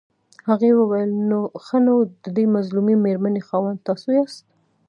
هغې وويل ښه نو ددې مظلومې مېرمنې خاوند تاسو ياست.